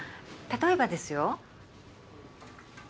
例えばですよ。